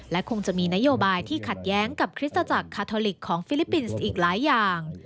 และคงจะมีนโยบายที่ขัดแย้งกับคริสตจักรคาทอลิกของฟิลิปปินส์อีกหลายอย่าง